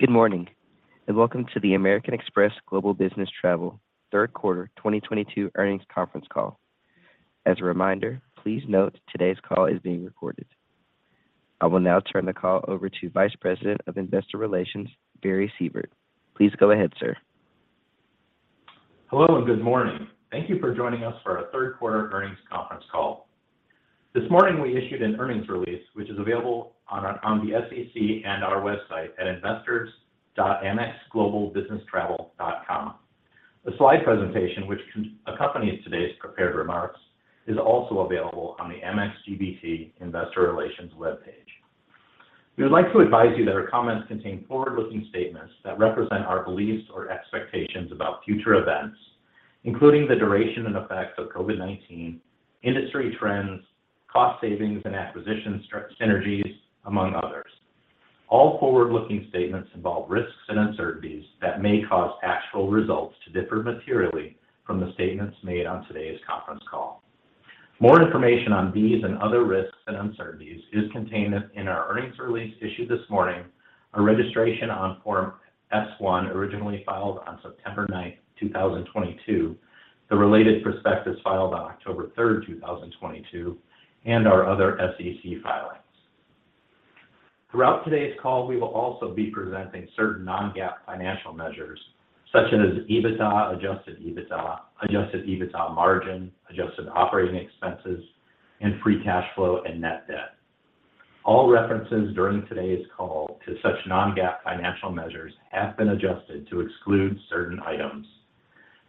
Good morning, and welcome to the American Express Global Business Travel third quarter 2022 earnings conference call. As a reminder, please note today's call is being recorded. I will now turn the call over to Vice President of Investor Relations, Barry Sievert. Please go ahead, sir. Hello, and good morning. Thank you for joining us for our third quarter earnings conference call. This morning, we issued an earnings release which is available on the SEC and our website at investors.amexglobalbusinesstravel.com. A slide presentation which accompanies today's prepared remarks is also available on the Amex GBT Investor Relations webpage. We would like to advise you that our comments contain forward-looking statements that represent our beliefs or expectations about future events, including the duration and effects of COVID-19, industry trends, cost savings, and acquisition synergies, among others. All forward-looking statements involve risks and uncertainties that may cause actual results to differ materially from the statements made on today's conference call. More information on these and other risks and uncertainties is contained in our earnings release issued this morning, our registration on Form S-1, originally filed on September 9th, 2022, the related prospectus filed on October 3rd, 2022, and our other SEC filings. Throughout today's call, we will also be presenting certain non-GAAP financial measures, such as EBITDA, adjusted EBITDA, adjusted EBITDA Margin, adjusted Operating Expenses, and free cash flow, and net debt. All references during today's call to such non-GAAP financial measures have been adjusted to exclude certain items.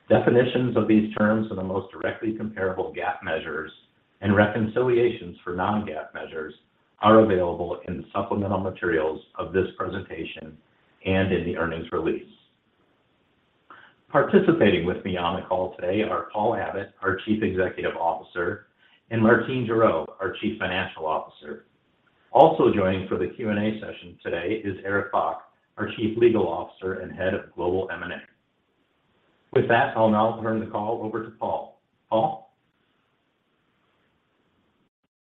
Definitions of these terms are the most directly comparable GAAP measures, and reconciliations for non-GAAP measures are available in the supplemental materials of this presentation and in the earnings release. Participating with me on the call today are Paul Abbott, our Chief Executive Officer, and Martine Gerow, our Chief Financial Officer. Also joining for the Q&A session today is Eric Bock, our Chief Legal Officer and Head of Global M&A. With that, I'll now turn the call over to Paul. Paul.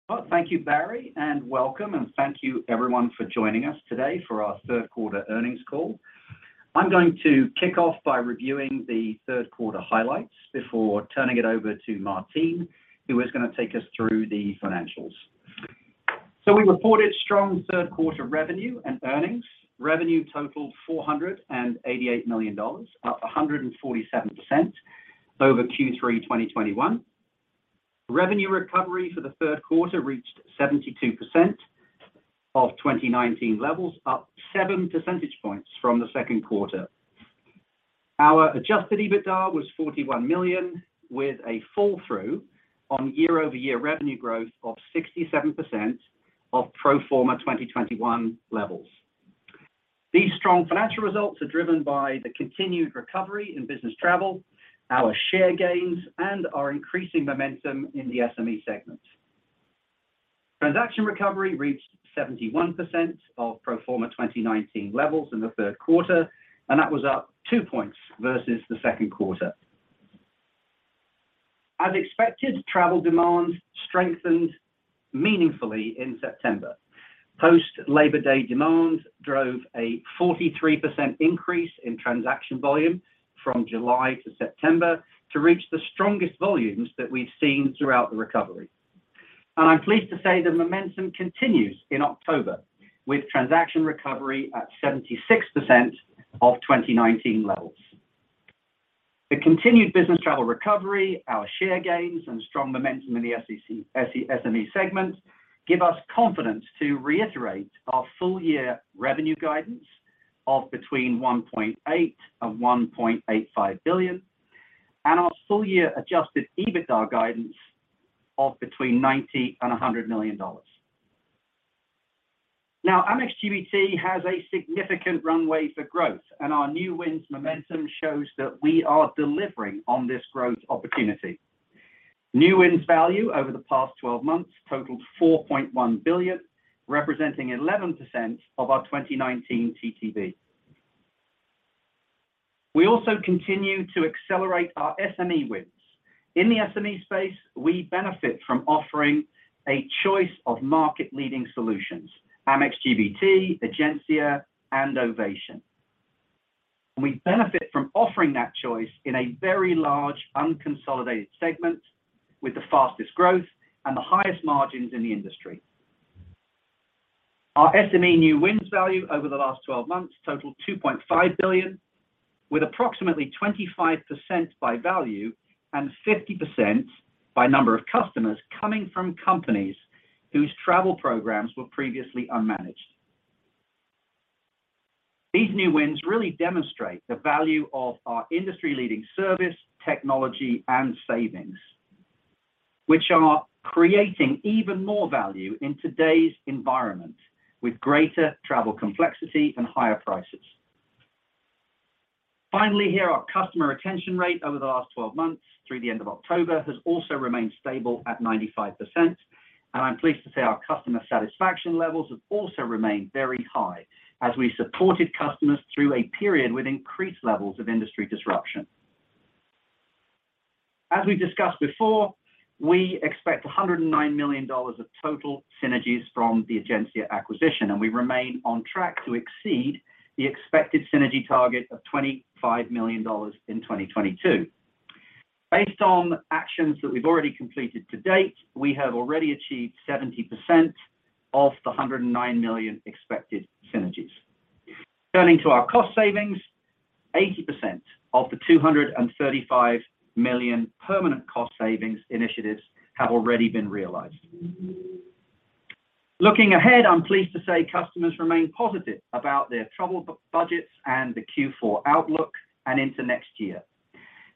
Well, thank you, Barry, and welcome, and thank you everyone for joining us today for our third quarter earnings call. I'm going to kick off by reviewing the third quarter highlights before turning it over to Martine, who is gonna take us through the financials. We reported strong third quarter revenue and earnings. Revenue totaled $488 million, up 147% over Q3 2021. Revenue recovery for the third quarter reached 72% of 2019 levels, up seven percentage points from the second quarter. Our adjusted EBITDA was $41 million, with a fall-through on year-over-year revenue growth of 67% of pro forma 2021 levels. These strong financial results are driven by the continued recovery in business travel, our share gains, and our increasing momentum in the SME segment. Transaction recovery reached 71% of pro forma 2019 levels in the third quarter, and that was up two points versus the second quarter. As expected, travel demand strengthened meaningfully in September. Post-Labor Day demand drove a 43% increase in transaction volume from July to September to reach the strongest volumes that we've seen throughout the recovery. I'm pleased to say the momentum continues in October, with transaction recovery at 76% of 2019 levels. The continued business travel recovery, our share gains, and strong momentum in the SME segment give us confidence to reiterate our full-year revenue guidance of between $1.8 billion and $1.85 billion, and our full-year adjusted EBITDA guidance of between $90 million and $100 million. Now, Amex GBT has a significant runway for growth, and our new wins momentum shows that we are delivering on this growth opportunity. New wins value over the past twelve months totaled $4.1 billion, representing 11% of our 2019 TTV. We also continue to accelerate our SME wins. In the SME space, we benefit from offering a choice of market-leading solutions, Amex GBT, Egencia, and Ovation. We benefit from offering that choice in a very large unconsolidated segment with the fastest growth and the highest margins in the industry. Our SME new wins value over the last 12 months totaled $2.5 billion, with approximately 25% by value and 50% by number of customers coming from companies whose travel programs were previously unmanaged. These new wins really demonstrate the value of our industry-leading service, technology, and savings, which are creating even more value in today's environment, with greater travel complexity and higher prices. Finally here, our customer retention rate over the last 12 months through the end of October has also remained stable at 95%, and I'm pleased to say our customer satisfaction levels have also remained very high as we supported customers through a period with increased levels of industry disruption. As we've discussed before, we expect $109 million of total synergies from the Egencia acquisition, and we remain on track to exceed the expected synergy target of $25 million in 2022. Based on actions that we've already completed to date, we have already achieved 70% of the $109 million expected synergies. Turning to our cost savings, 80% of the $235 million permanent cost savings initiatives have already been realized. Looking ahead, I'm pleased to say customers remain positive about their travel budgets and the Q4 outlook and into next year.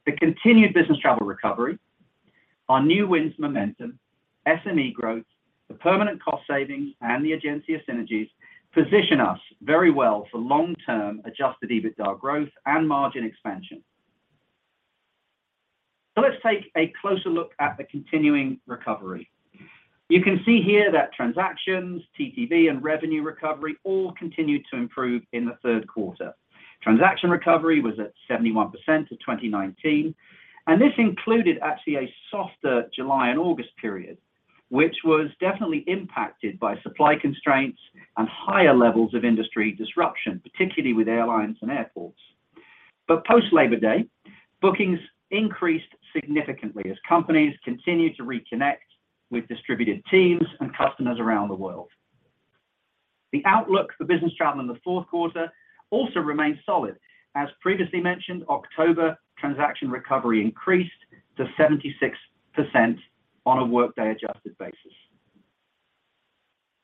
The continued business travel recovery, our new wins momentum, SME growth, the permanent cost savings, and the Egencia synergies position us very well for long-term adjusted EBITDA growth and margin expansion. Let's take a closer look at the continuing recovery. You can see here that transactions, TTV, and revenue recovery all continued to improve in the third quarter. Transaction recovery was at 71% of 2019, and this included actually a softer July and August period, which was definitely impacted by supply constraints and higher levels of industry disruption, particularly with airlines and airports. Post Labor Day, bookings increased significantly as companies continued to reconnect with distributed teams and customers around the world. The outlook for business travel in the fourth quarter also remains solid. As previously mentioned, October transaction recovery increased to 76% on a workday adjusted basis.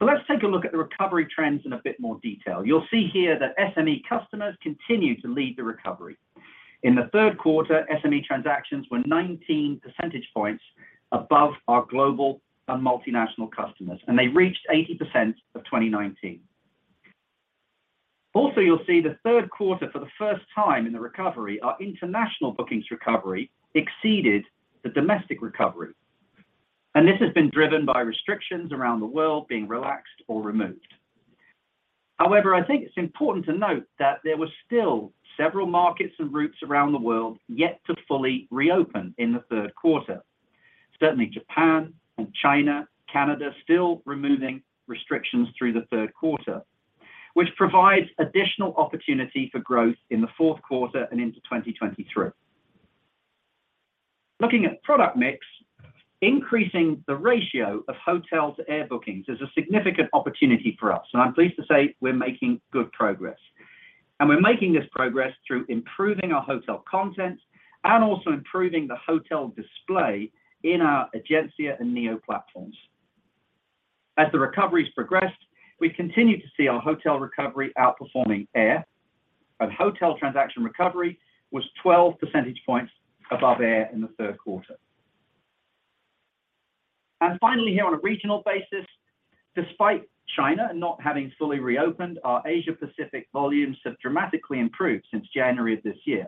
Let's take a look at the recovery trends in a bit more detail. You'll see here that SME customers continued to lead the recovery. In the third quarter, SME transactions were 19 percentage points above our global and multinational customers, and they reached 80% of 2019. Also, you'll see the third quarter for the first time in the recovery, our international bookings recovery exceeded the domestic recovery, and this has been driven by restrictions around the world being relaxed or removed. However, I think it's important to note that there were still several markets and routes around the world yet to fully reopen in the third quarter. Certainly Japan and China, Canada still removing restrictions through the third quarter, which provides additional opportunity for growth in the fourth quarter and into 2023. Looking at product mix, increasing the ratio of hotel to air bookings is a significant opportunity for us, and I'm pleased to say we're making good progress, and we're making this progress through improving our hotel content and also improving the hotel display in our Egencia and Neo platforms. As the recovery's progressed, we continue to see our hotel recovery outperforming air, and hotel transaction recovery was 12 percentage points above air in the third quarter. Finally here on a regional basis, despite China not having fully reopened, our Asia Pacific volumes have dramatically improved since January of this year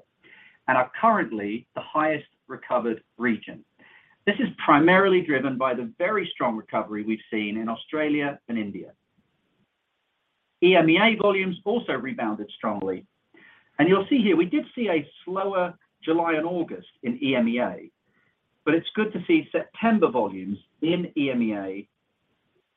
and are currently the highest recovered region. This is primarily driven by the very strong recovery we've seen in Australia and India. EMEA volumes also rebounded strongly, and you'll see here we did see a slower July and August in EMEA, but it's good to see September volumes in EMEA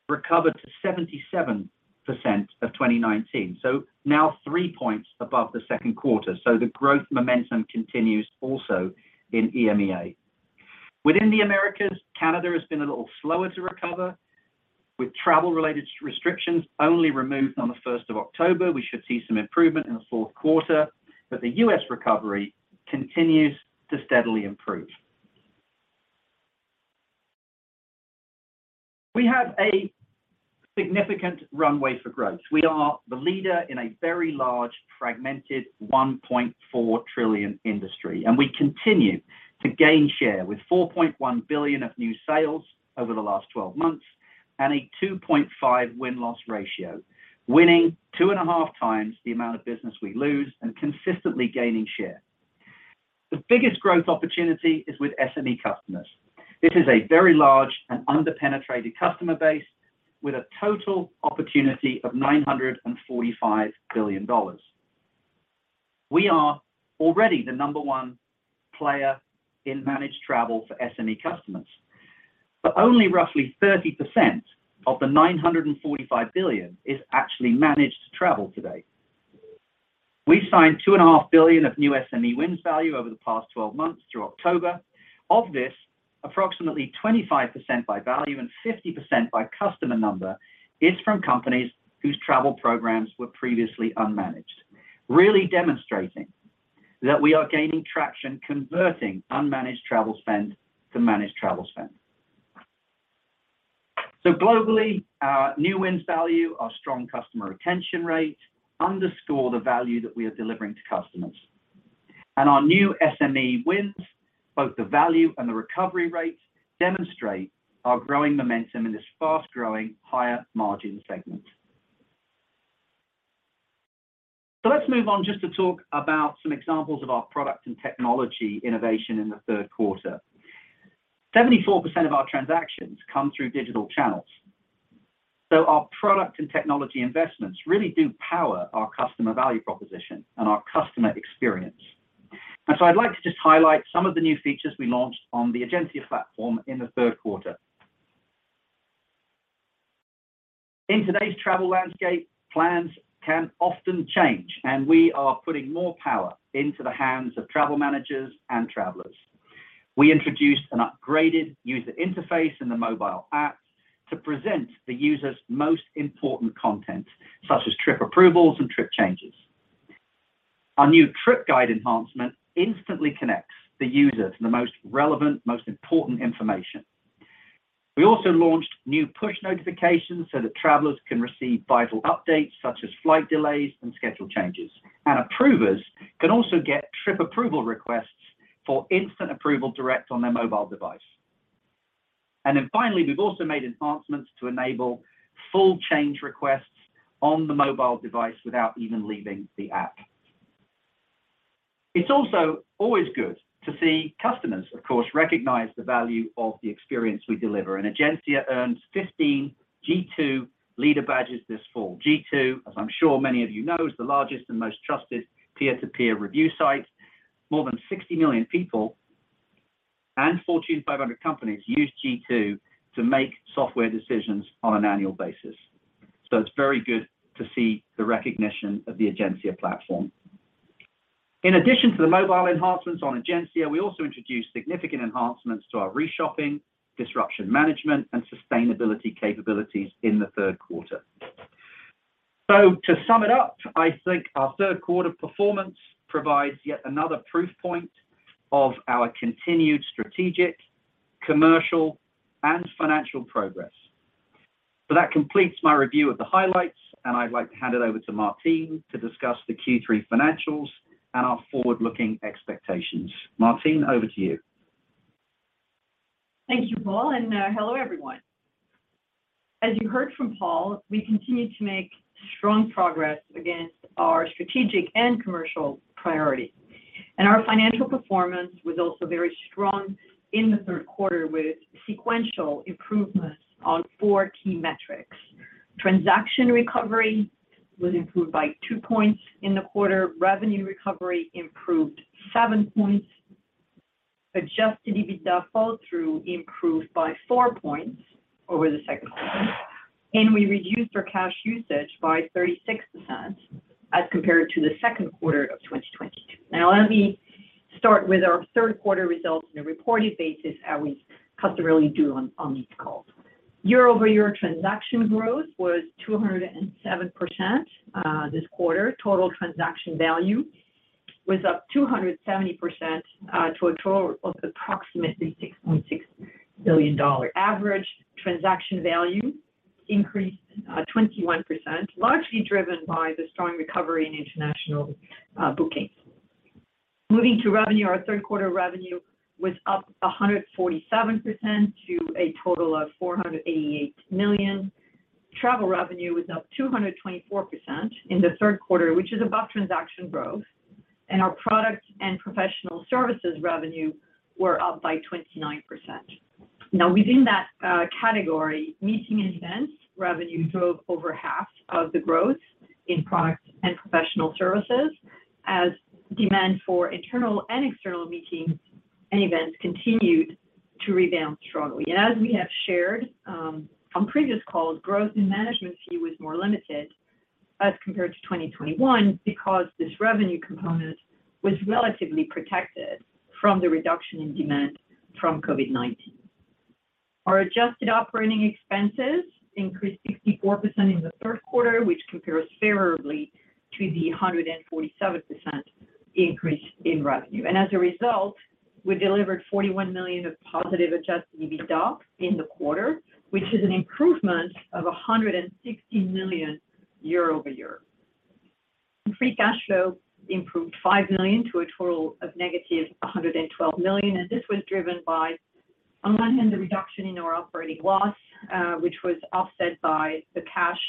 recover to 77% of 2019, so now three points above the second quarter. The growth momentum continues also in EMEA. Within the Americas, Canada has been a little slower to recover with travel related restrictions only removed on the first of October. We should see some improvement in the fourth quarter, but the U.S. recovery continues to steadily improve. We have a significant runway for growth. We are the leader in a very large fragmented $1.4 trillion industry, and we continue to gain share with $4.1 billion of new sales over the last 12 months and a 2.5 win-loss ratio, winning 2.5x the amount of business we lose and consistently gaining share. The biggest growth opportunity is with SME customers. This is a very large and under-penetrated customer base with a total opportunity of $945 billion. We are already the number one player in managed travel for SME customers, but only roughly 30% of the $945 billion is actually managed travel today. We've signed $2.5 billion of new SME wins value over the past 12 months through October. Of this, approximately 25% by value and 50% by customer number is from companies whose travel programs were previously unmanaged. Really demonstrating that we are gaining traction converting unmanaged travel spend to managed travel spend. Globally, our new wins value, our strong customer retention rate underscore the value that we are delivering to customers. Our new SME wins, both the value and the recovery rate, demonstrate our growing momentum in this fast-growing, higher margin segment. Let's move on just to talk about some examples of our product and technology innovation in the third quarter. 74% of our transactions come through digital channels. Our product and technology investments really do power our customer value proposition and our customer experience. I'd like to just highlight some of the new features we launched on the Egencia platform in the third quarter. In today's travel landscape, plans can often change, and we are putting more power into the hands of travel managers and travelers. We introduced an upgraded user interface in the mobile app to present the user's most important content, such as trip approvals and trip changes. Our new trip guide enhancement instantly connects the user to the most relevant, most important information. We also launched new push notifications so that travelers can receive vital updates, such as flight delays and schedule changes. Approvers can also get trip approval requests for instant approval direct on their mobile device. Finally, we've also made enhancements to enable full change requests on the mobile device without even leaving the app. It's also always good to see customers, of course, recognize the value of the experience we deliver. Egencia earned 15 G2 leader badges this fall. G2, as I'm sure many of you know, is the largest and most trusted peer-to-peer review site. More than 60 million people and Fortune 500 companies use G2 to make software decisions on an annual basis. It's very good to see the recognition of the Egencia platform. In addition to the mobile enhancements on Egencia, we also introduced significant enhancements to our reshopping, disruption management, and sustainability capabilities in the third quarter. To sum it up, I think our third quarter performance provides yet another proof point of our continued strategic, commercial, and financial progress. That completes my review of the highlights, and I'd like to hand it over to Martine to discuss the Q3 financials and our forward-looking expectations. Martine, over to you. Thank you, Paul, and hello, everyone. As you heard from Paul, we continue to make strong progress against our strategic and commercial priorities. Our financial performance was also very strong in the third quarter with sequential improvements on four key metrics. Transaction recovery was improved by two points in the quarter. Revenue recovery improved seven points. Adjusted EBITDA fall-through improved by four points over the second quarter. We reduced our cash usage by 36% as compared to the second quarter of 2022. Now let me start with our third quarter results on a reported basis as we customarily do on these calls. Year-over-year transaction growth was 207% this quarter. Total transaction value was up 270% to a total of approximately $6.6 billion. Average transaction value increased 21%, largely driven by the strong recovery in international bookings. Moving to revenue, our third quarter revenue was up 147% to a total of $488 million. Travel revenue was up 224% in the third quarter, which is above transaction growth. Our product and professional services revenue were up by 29%. Now, within that category, meeting and events revenue drove over half of the growth in product and professional services as demand for internal and external meetings and events continued to rebound strongly. As we have shared on previous calls, growth in management fee was more limited as compared to 2021 because this revenue component was relatively protected from the reduction in demand from COVID-19. Our adjusted operating expenses increased 64% in the third quarter, which compares favorably to the 147% increase in revenue. As a result, we delivered $41 million of positive adjusted EBITDA in the quarter, which is an improvement of $160 million year-over-year. Free cash flow improved $5 million to a total of -$112 million, and this was driven by, on one hand, the reduction in our operating loss, which was offset by the cash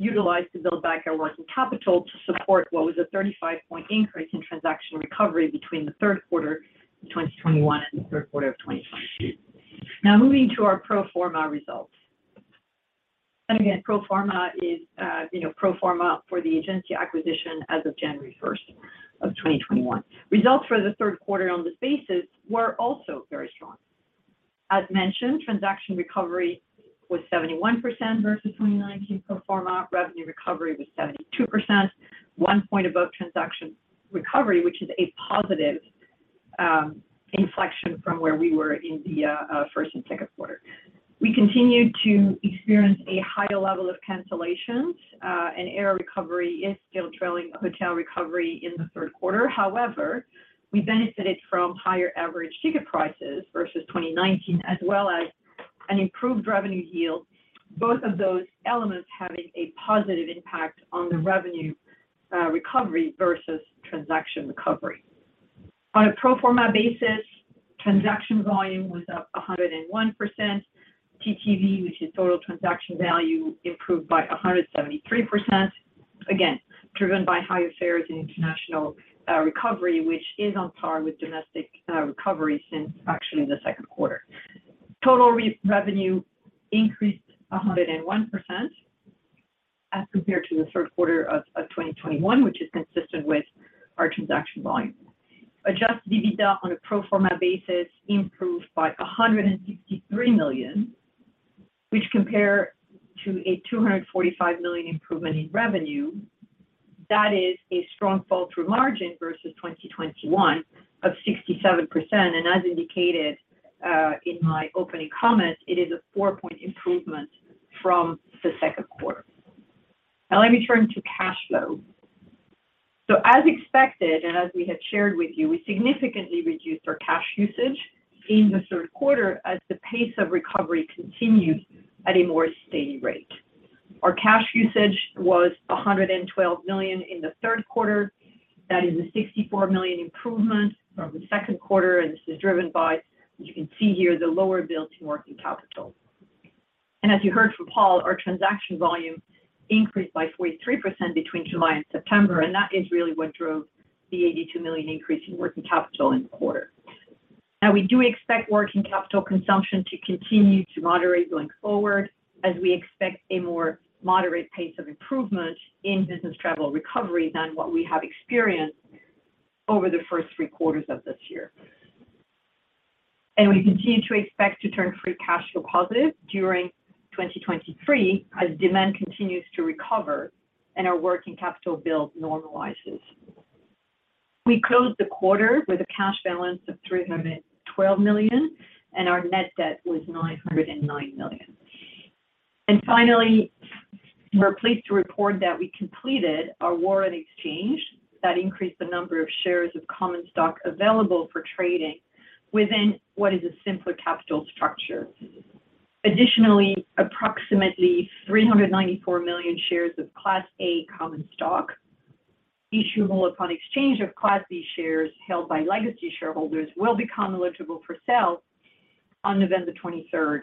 utilized to build back our working capital to support what was a 35-point increase in transaction recovery between the third quarter of 2021 and the third quarter of 2022. Now moving to our pro forma results. Again, pro forma is pro forma for the Egencia acquisition as of January 1, 2021. Results for the third quarter on this basis were also very strong. As mentioned, transaction recovery was 71% versus 2019 pro forma. Revenue recovery was 72%, one point above transaction recovery, which is a positive inflection from where we were in the first and second quarter. We continued to experience a higher level of cancellations. Air recovery is still trailing hotel recovery in the third quarter. However, we benefited from higher average ticket prices versus 2019 as well as an improved revenue yield. Both of those elements having a positive impact on the revenue recovery versus transaction recovery. On a pro forma basis, transaction volume was up 101%. TTV, which is total transaction value, improved by 173%. Again, driven by higher fares in international recovery, which is on par with domestic recovery since actually the second quarter. Total revenue increased 101% as compared to the third quarter of 2021, which is consistent with our transaction volume. Adjusted EBITDA on a pro forma basis improved by $163 million, which compare to a $245 million improvement in revenue. That is a strong fall-through margin versus 2021 of 67%. As indicated in my opening comments, it is a four-point improvement from the second quarter. Now let me turn to cash flow. As expected, and as we have shared with you, we significantly reduced our cash usage in the third quarter as the pace of recovery continued at a more steady rate. Our cash usage was $112 million in the third quarter. That is a $64 million improvement from the second quarter, and this is driven by, as you can see here, the lower build to working capital. As you heard from Paul, our transaction volume increased by 43% between July and September, and that is really what drove the $82 million increase in working capital in the quarter. Now we do expect working capital consumption to continue to moderate going forward as we expect a more moderate pace of improvement in business travel recovery than what we have experienced over the first three quarters of this year. We continue to expect to turn free cash flow positive during 2023 as demand continues to recover and our working capital build normalizes. We closed the quarter with a cash balance of $312 million, and our net debt was $909 million. Finally, we're pleased to report that we completed our warrant exchange that increased the number of shares of common stock available for trading within what is a simpler capital structure. Additionally, approximately 394 million shares of Class A common stock issuable upon exchange of Class B shares held by legacy shareholders will become eligible for sale on November 23rd,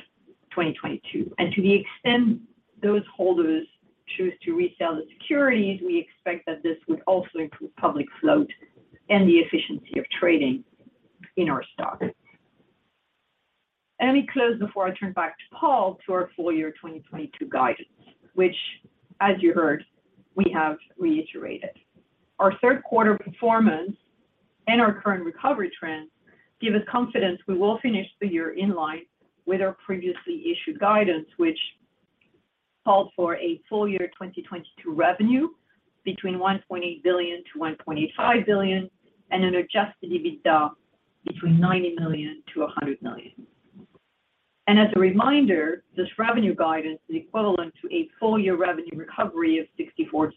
2022. To the extent those holders choose to resell the securities, we expect that this would also improve public float and the efficiency of trading in our stock. Let me close before I turn back to Paul to our full year 2022 guidance, which as you heard, we have reiterated. Our third quarter performance and our current recovery trends give us confidence we will finish the year in line with our previously issued guidance, which called for a full year 2022 revenue between $1.8 billion-$1.85 billion, and an adjusted EBITDA between $90 million-$100 million. As a reminder, this revenue guidance is equivalent to a full year revenue recovery of 64%-65%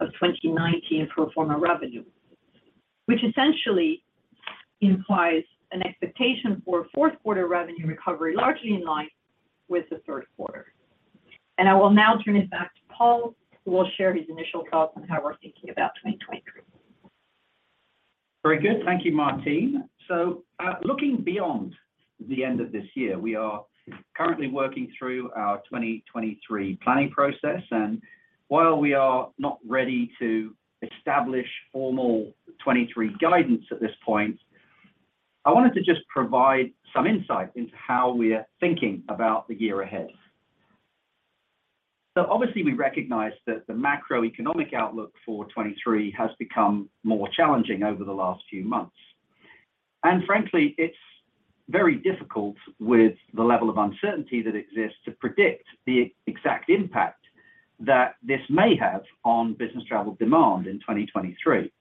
of 2019 pro forma revenue, which essentially implies an expectation for fourth quarter revenue recovery largely in line with the third quarter. I will now turn it back to Paul, who will share his initial thoughts on how we're thinking about 2023. Very good. Thank you, Martine. Looking beyond the end of this year, we are currently working through our 2023 planning process, and while we are not ready to establish formal 2023 guidance at this point, I wanted to just provide some insight into how we're thinking about the year ahead. Obviously we recognize that the macroeconomic outlook for 2023 has become more challenging over the last few months. Frankly, it's very difficult with the level of uncertainty that exists to predict the exact impact that this may have on business travel demand in 2023.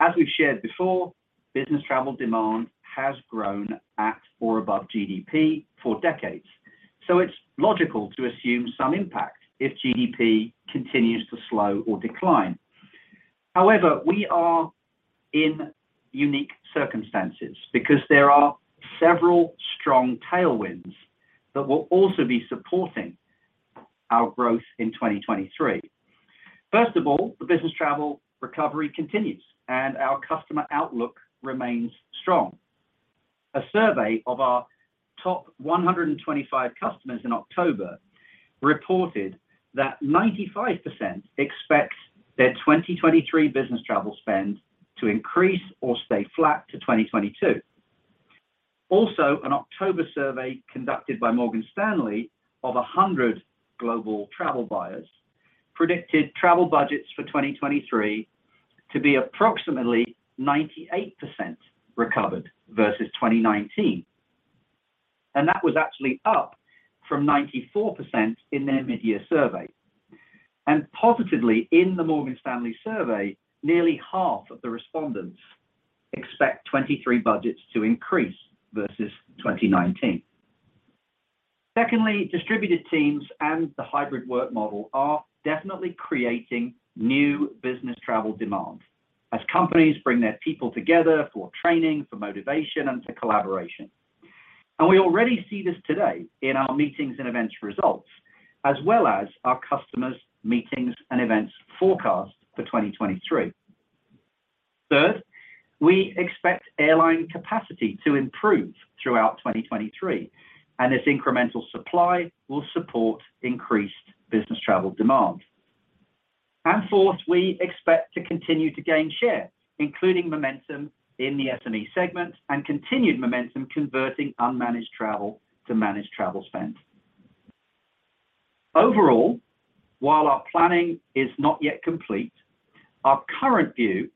As we've shared before, business travel demand has grown at or above GDP for decades, so it's logical to assume some impact if GDP continues to slow or decline. However, we are in unique circumstances because there are several strong tailwinds that will also be supporting our growth in 2023. First of all, the business travel recovery continues, and our customer outlook remains strong. A survey of our top 125 customers in October reported that 95% expect their 2023 business travel spend to increase or stay flat to 2022. Also, an October survey conducted by Morgan Stanley of 100 global travel buyers predicted travel budgets for 2023 to be approximately 98% recovered versus 2019. That was actually up from 94% in their mid-year survey. Positively, in the Morgan Stanley survey, nearly half of the respondents expect 2023 budgets to increase versus 2019. Secondly, distributed teams and the hybrid work model are definitely creating new business travel demand as companies bring their people together for training, for motivation, and for collaboration. We already see this today in our meetings and events results, as well as our customers' meetings and events forecast for 2023. Third, we expect airline capacity to improve throughout 2023, and this incremental supply will support increased business travel demand. Fourth, we expect to continue to gain share, including momentum in the SME segment and continued momentum converting unmanaged travel to managed travel spend. Overall, while our planning is not yet complete, our current view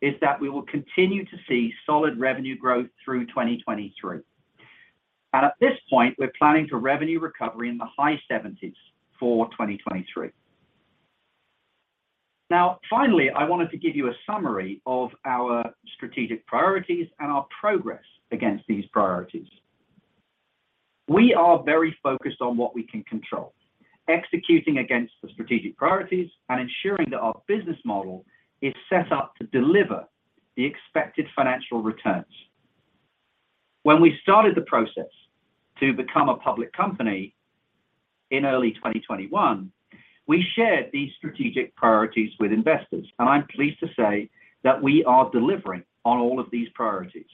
is that we will continue to see solid revenue growth through 2023. At this point, we're planning for revenue recovery in the high 70s for 2023. Now finally, I wanted to give you a summary of our strategic priorities and our progress against these priorities. We are very focused on what we can control, executing against the strategic priorities and ensuring that our business model is set up to deliver the expected financial returns. When we started the process to become a public company in early 2021, we shared these strategic priorities with investors, and I'm pleased to say that we are delivering on all of these priorities.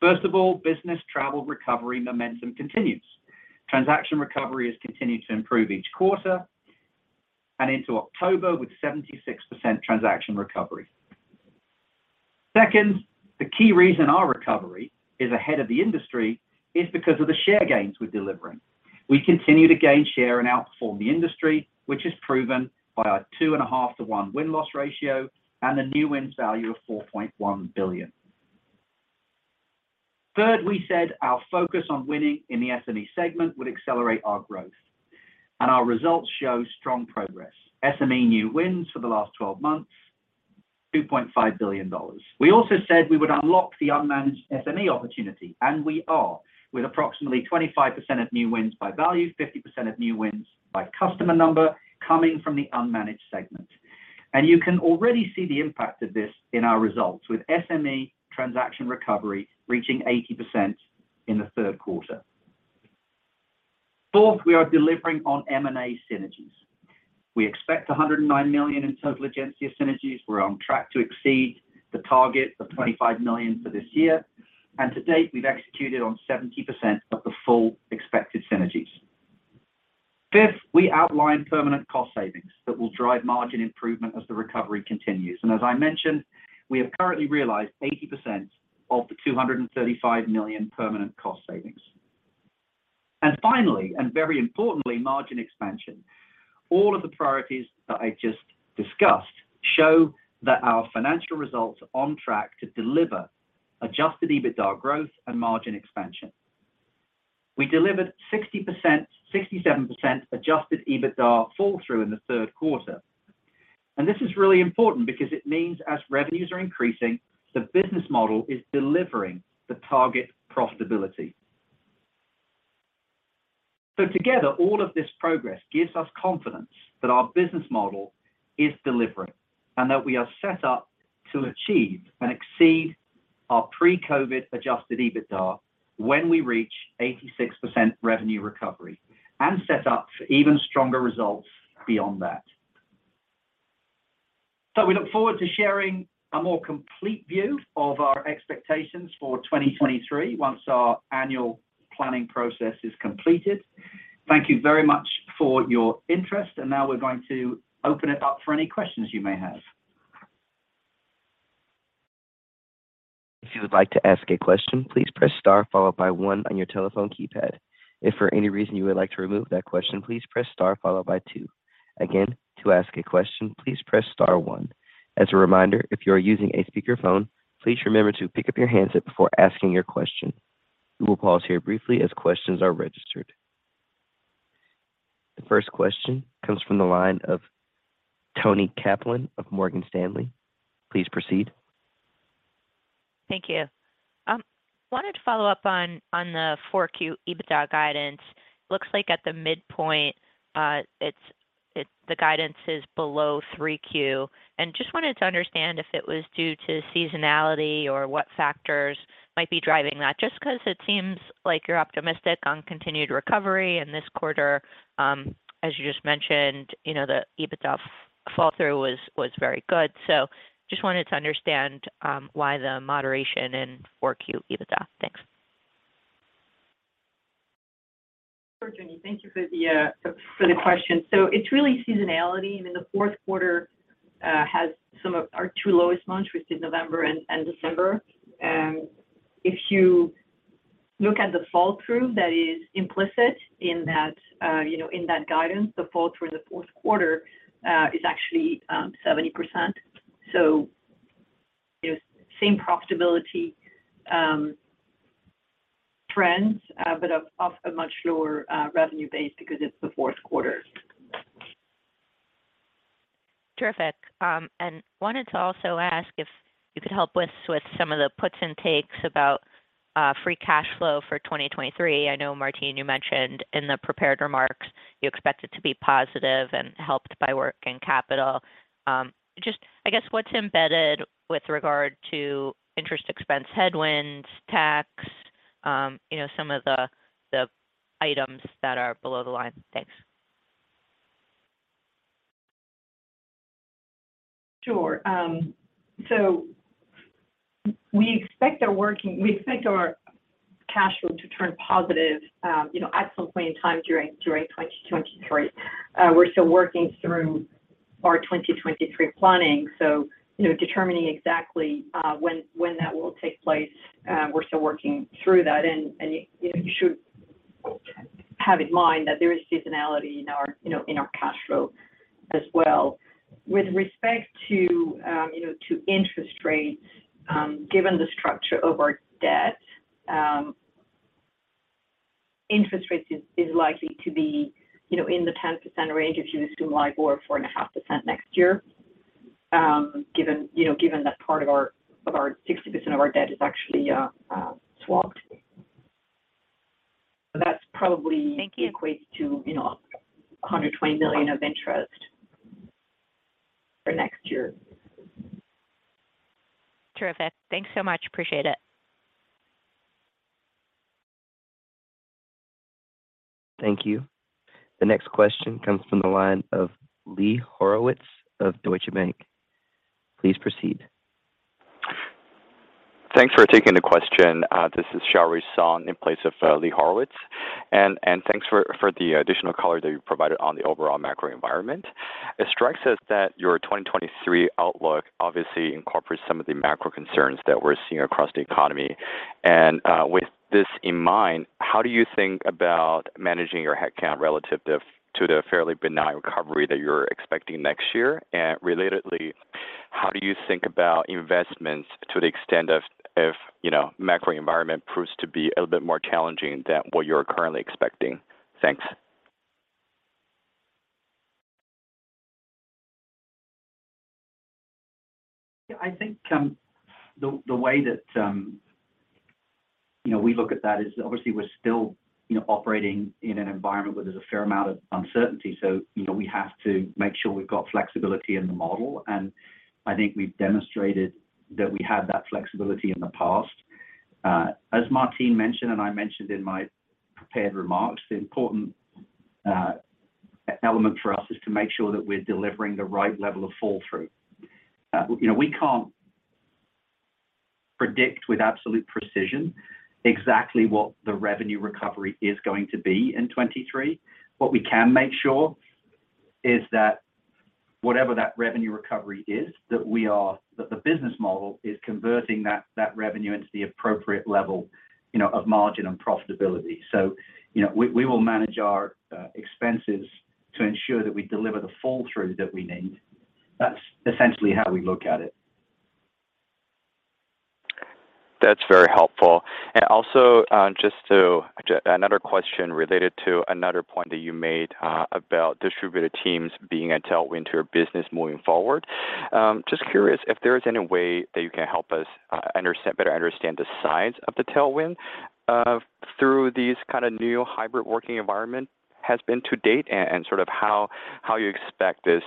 First of all, business travel recovery momentum continues. Transaction recovery has continued to improve each quarter and into October with 76% transaction recovery. Second, the key reason our recovery is ahead of the industry is because of the share gains we're delivering. We continue to gain share and outperform the industry, which is proven by our 2.5-to-1 win-loss ratio and the new wins value of $4.1 billion. Third, we said our focus on winning in the SME segment would accelerate our growth, and our results show strong progress. SME new wins for the last 12 months, $2.5 billion. We also said we would unlock the unmanaged SME opportunity, and we are, with approximately 25% of new wins by value, 50% of new wins by customer number coming from the unmanaged segment. You can already see the impact of this in our results with SME transaction recovery reaching 80% in the third quarter. Fourth, we are delivering on M&A synergies. We expect $109 million in total Egencia synergies. We're on track to exceed the target of $25 million for this year. To date, we've executed on 70% of the full expected synergies. Fifth, we outlined permanent cost savings that will drive margin improvement as the recovery continues. As I mentioned, we have currently realized 80% of the $235 million permanent cost savings. Finally, and very importantly, margin expansion. All of the priorities that I just discussed show that our financial results are on track to deliver adjusted EBITDA growth and margin expansion. We delivered 67% adjusted EBITDA fall-through in the third quarter. This is really important because it means as revenues are increasing, the business model is delivering the target profitability. Together, all of this progress gives us confidence that our business model is delivering and that we are set up to achieve and exceed our pre-COVID adjusted EBITDA when we reach 86% revenue recovery and set up for even stronger results beyond that. We look forward to sharing a more complete view of our expectations for 2023 once our annual planning process is completed. Thank you very much for your interest. Now we're going to open it up for any questions you may have. If you would like to ask a question, please press star followed by one on your telephone keypad. If for any reason you would like to remove that question, please press star followed by two. Again, to ask a question, please press star one. As a reminder, if you are using a speakerphone, please remember to pick up your handset before asking your question. We will pause here briefly as questions are registered. The first question comes from the line of Toni Kaplan of Morgan Stanley. Please proceed. Thank you. Wanted to follow up on the 4Q EBITDA guidance. Looks like at the midpoint, the guidance is below 3Q. Just wanted to understand if it was due to seasonality or what factors might be driving that, just because it seems like you're optimistic on continued recovery. This quarter, as you just mentioned, you know, the EBITDA fall-through was very good. Just wanted to understand why the moderation in 4Q EBITDA. Thanks. Sure, Toni. Thank you for the question. It's really seasonality. I mean, the fourth quarter has some of our two lowest months, which is November and December. If you look at the fall-through that is implicit in that guidance, you know, the fall-through the fourth quarter is actually 70%. It's same profitability trends but of a much lower revenue base because it's the fourth quarter. Terrific. Wanted to also ask if you could help with some of the puts and takes about free cash flow for 2023. I know, Martine, you mentioned in the prepared remarks you expect it to be positive and helped by working capital. Just I guess what's embedded with regard to interest expense headwinds, tax, you know, some of the items that are below the line. Thanks. Sure. We expect our cash flow to turn positive, you know, at some point in time during 2023. We're still working through our 2023 planning, so, you know, determining exactly when that will take place, we're still working through that. You should have in mind that there is seasonality in our, you know, in our cash flow as well. With respect to, you know, to interest rates, given the structure of our debt, interest rates is likely to be, you know, in the 10% range if you assume like 4.5% next year, given, you know, given that part of our, of our 60% of our debt is actually swapped. That's probably. Thank you. equates to, you know, $120 million of interest for next year. Terrific. Thanks so much. Appreciate it. Thank you. The next question comes from the line of Lee Horowitz of Deutsche Bank. Please proceed. Thanks for taking the question. This is Shaori Song in place of Lee Horowitz. Thanks for the additional color that you provided on the overall macro environment. It strikes us that your 2023 outlook obviously incorporates some of the macro concerns that we're seeing across the economy. With this in mind, how do you think about managing your headcount relative to the fairly benign recovery that you're expecting next year? Relatedly, how do you think about investments to the extent that if you know macro environment proves to be a little bit more challenging than what you're currently expecting? Thanks. Yeah, I think the way that, you know, we look at that is obviously we're still, you know, operating in an environment where there's a fair amount of uncertainty. You know, we have to make sure we've got flexibility in the model, and I think we've demonstrated that we have that flexibility in the past. As Martine mentioned, and I mentioned in my prepared remarks, the important element for us is to make sure that we're delivering the right level of fall-through. You know, we can't predict with absolute precision exactly what the revenue recovery is going to be in 2023. What we can make sure is that whatever that revenue recovery is, that the business model is converting that revenue into the appropriate level, you know, of margin and profitability. You know, we will manage our expenses to ensure that we deliver the fall-through that we need. That's essentially how we look at it. That's very helpful. Also just to, another question related to another point that you made, about distributed teams being a tailwind to your business moving forward. Just curious if there is any way that you can help us better understand the size of the tailwind through these kind of new hybrid working environment has been to date, and sort of how you expect this,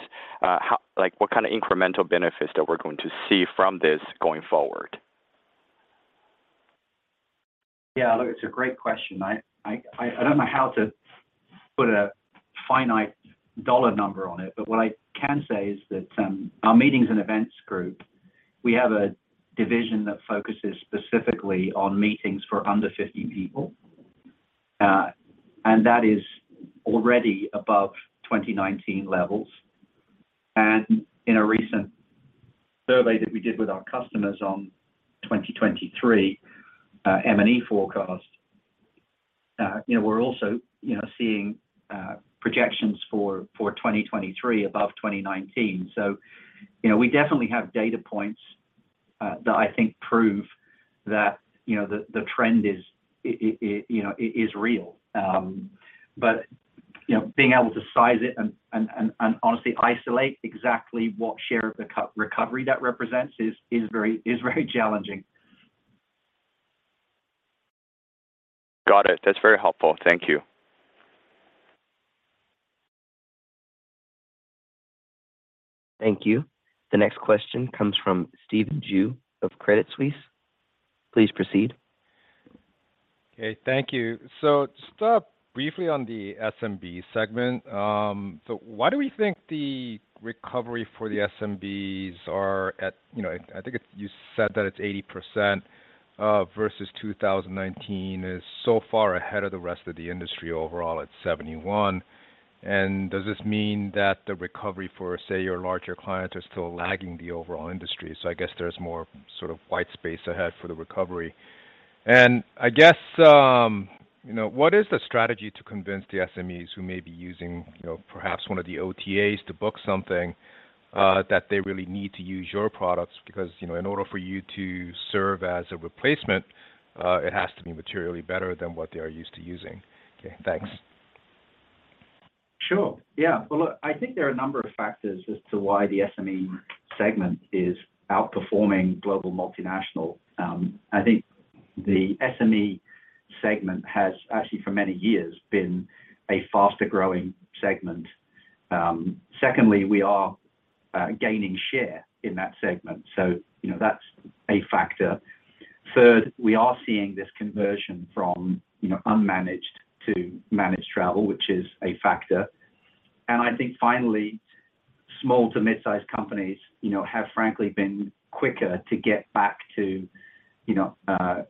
like, what kind of incremental benefits that we're going to see from this going forward? Yeah, look, it's a great question. I don't know how to put a finite dollar number on it, but what I can say is that, our meetings and events group, we have a division that focuses specifically on meetings for under 50 people, and that is already above 2019 levels. In a recent survey that we did with our customers on 2023 M&E forecast, you know, we're also, you know, seeing projections for 2023 above 2019. You know, we definitely have data points that I think prove that, you know, the trend is, you know, is real. You know, being able to size it and honestly isolate exactly what share of the recovery that represents is very challenging. Got it. That's very helpful. Thank you. Thank you. The next question comes from Stephen Ju of Credit Suisse. Please proceed. Okay. Thank you. Just briefly on the SMB segment. Why do we think the recovery for the SMBs are at, you know, I think you said that it's 80%, versus 2019 is so far ahead of the rest of the industry overall at 71%. Does this mean that the recovery for, say, your larger clients are still lagging the overall industry? I guess there's more sort of white space ahead for the recovery. I guess, you know, what is the strategy to convince the SMEs who may be using, you know, perhaps one of the OTAs to book something, that they really need to use your products because, you know, in order for you to serve as a replacement, it has to be materially better than what they are used to using. Okay. Thanks. Sure. Yeah. Well, look, I think there are a number of factors as to why the SME segment is outperforming global multinational. I think the SME segment has actually for many years been a faster-growing segment. Secondly, we are gaining share in that segment, so, you know, that's a factor. Third, we are seeing this conversion from, you know, unmanaged to managed travel, which is a factor. I think finally, small to mid-sized companies, you know, have frankly been quicker to get back to, you know, a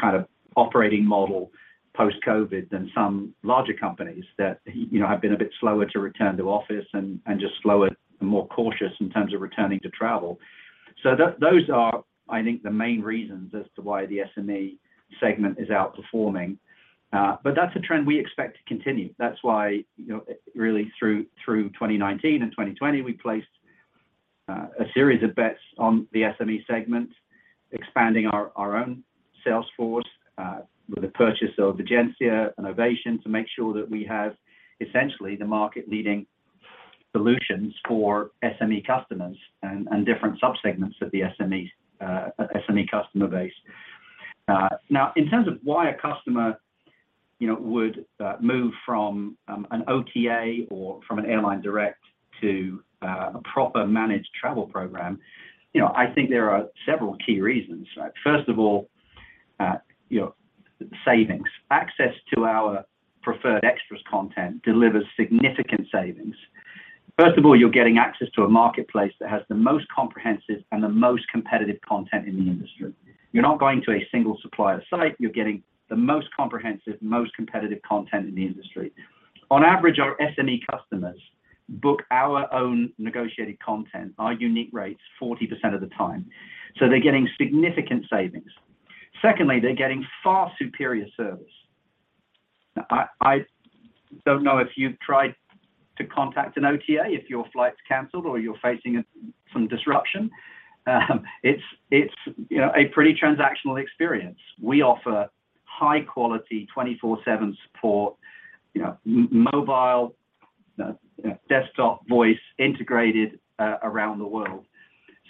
kind of operating model post-COVID than some larger companies that, you know, have been a bit slower to return to office and just slower and more cautious in terms of returning to travel. Those are, I think, the main reasons as to why the SME segment is outperforming. That's a trend we expect to continue. That's why, you know, really through 2019 and 2020, we placed a series of bets on the SME segment, expanding our own sales force with the purchase of Egencia and Ovation to make sure that we have essentially the market leading solutions for SME customers and different subsegments of the SME customer base. Now in terms of why a customer, you know, would move from an OTA or from an airline direct to a proper managed travel program, you know, I think there are several key reasons, right? First of all, you know, savings. Access to our preferred extras content delivers significant savings. First of all, you're getting access to a marketplace that has the most comprehensive and the most competitive content in the industry. You're not going to a single supplier site. You're getting the most comprehensive, most competitive content in the industry. On average, our SME customers book our own negotiated content, our unique rates, 40% of the time, so they're getting significant savings. Secondly, they're getting far superior service. I don't know if you've tried to contact an OTA if your flight's canceled or you're facing some disruption. It's you know, a pretty transactional experience. We offer high quality 24/7 support, you know, mobile, you know, desktop, voice integrated, around the world.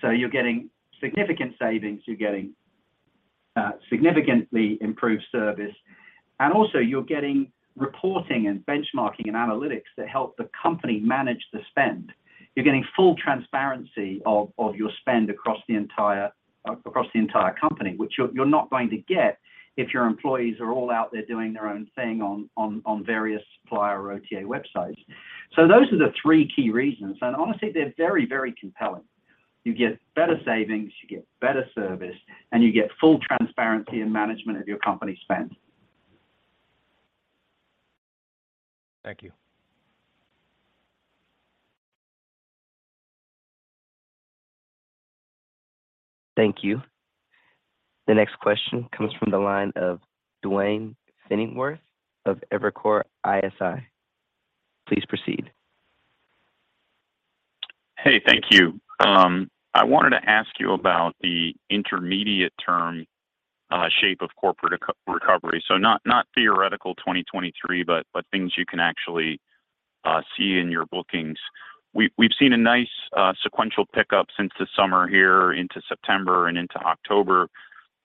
So you're getting significant savings, you're getting significantly improved service, and also you're getting reporting and benchmarking and analytics that help the company manage the spend. You're getting full transparency of your spend across the entire company, which you're not going to get if your employees are all out there doing their own thing on various supplier or OTA websites. Those are the three key reasons, and honestly, they're very compelling. You get better savings, you get better service, and you get full transparency and management of your company spend. Thank you. Thank you. The next question comes from the line of Duane Pfennigwerth of Evercore ISI. Please proceed. Hey, thank you. I wanted to ask you about the intermediate term shape of corporate recovery. Not theoretical 2023, but things you can actually see in your bookings. We've seen a nice sequential pickup since the summer here into September and into October.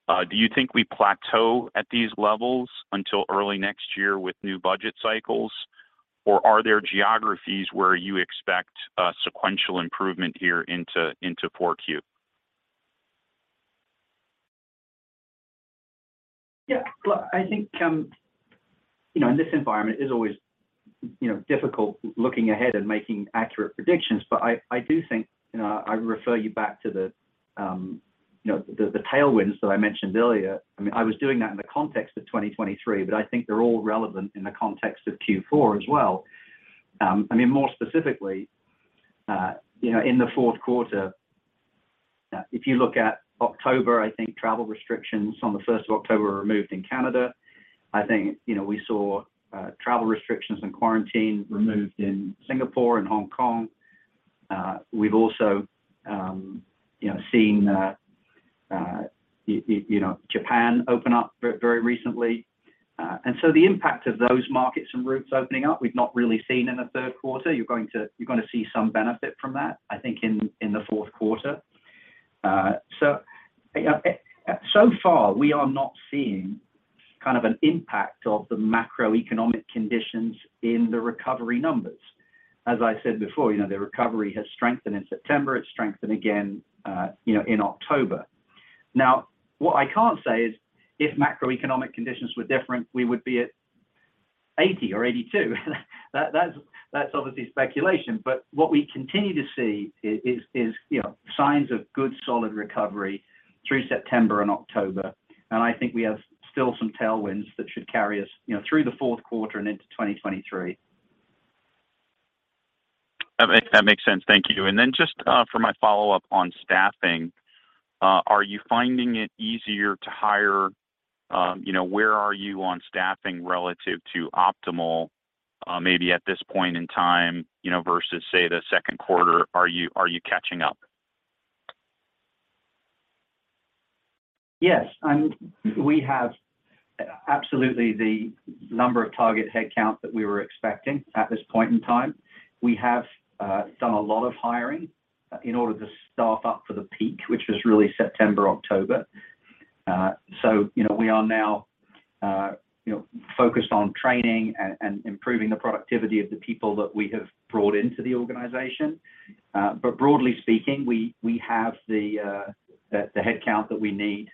Do you think we plateau at these levels until early next year with new budget cycles? Or are there geographies where you expect a sequential improvement here into 4Q? Look, I think you know, in this environment, it's always you know, difficult looking ahead and making accurate predictions. I do think you know, I refer you back to the tailwinds that I mentioned earlier. I mean, I was doing that in the context of 2023, but I think they're all relevant in the context of Q4 as well. I mean, more specifically, you know, in the fourth quarter, if you look at October, I think travel restrictions on the first of October were removed in Canada. I think you know, we saw travel restrictions and quarantine removed in Singapore and Hong Kong. We've also you know, seen you know, Japan open up very recently. The impact of those markets and routes opening up, we've not really seen in the third quarter. You're going to see some benefit from that, I think in the fourth quarter. So far, we are not seeing kind of an impact of the macroeconomic conditions in the recovery numbers. As I said before, you know, the recovery has strengthened in September. It strengthened again, you know, in October. Now, what I can't say is if macroeconomic conditions were different, we would be at 80 or 82. That's obviously speculation. What we continue to see is, you know, signs of good, solid recovery through September and October. I think we have still some tailwinds that should carry us, you know, through the fourth quarter and into 2023. That makes sense. Thank you. Just for my follow-up on staffing, are you finding it easier to hire? You know, where are you on staffing relative to optimal, maybe at this point in time, you know, versus, say, the second quarter? Are you catching up? Yes. We have absolutely the number of target headcount that we were expecting at this point in time. We have done a lot of hiring in order to staff up for the peak, which was really September, October. We are now focused on training and improving the productivity of the people that we have brought into the organization. Broadly speaking, we have the headcount that we need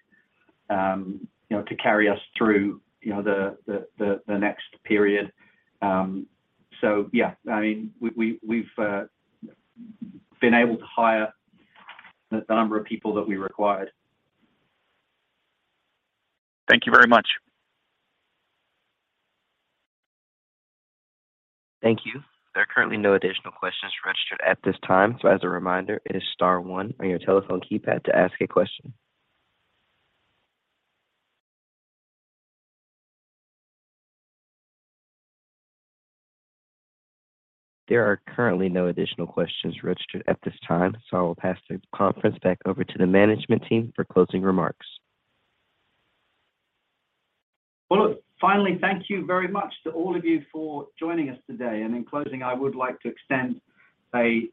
to carry us through the next period. I mean, we've been able to hire the number of people that we required. Thank you very much. Thank you. There are currently no additional questions registered at this time. As a reminder, it is star one on your telephone keypad to ask a question. There are currently no additional questions registered at this time, so I will pass the conference back over to the management team for closing remarks. Well, look, finally, thank you very much to all of you for joining us today. In closing, I would like to extend a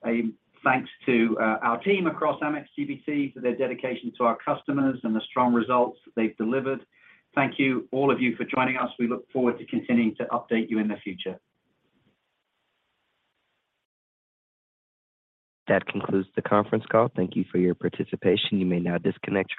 thanks to our team across Amex GBT for their dedication to our customers and the strong results they've delivered. Thank you, all of you, for joining us. We look forward to continuing to update you in the future. That concludes the conference call. Thank you for your participation. You may now disconnect your line.